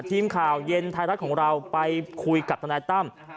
ทีมข่าวเย็นไทยรัฐของเราไปคุยกับทนายตั้ม